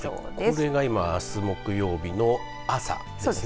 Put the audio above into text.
これが今あす木曜日の朝ですね。